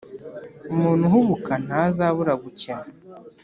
umuntu uhubuka ntazabura gukena